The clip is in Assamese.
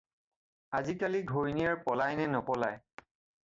আজি-কালি ঘৈণীয়েৰ পলায় নে নপলায়?